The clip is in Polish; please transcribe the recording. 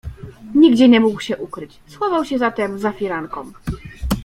"Nigdzie nie mógł się ukryć, schował się zatem za firanką."